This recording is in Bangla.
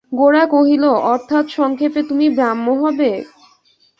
গোরা কহিল, অর্থাৎ, সংক্ষেপে, তুমি ব্রাহ্ম হবে?